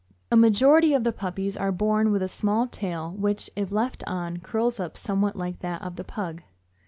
A majority of the puppies are born with a small tail, which, if left on, curls up somewhat like that of the Pug.